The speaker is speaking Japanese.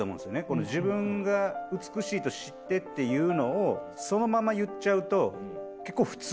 この「自分が美しいと知って」っていうのをそのまま言っちゃうと結構普通になるんですけど。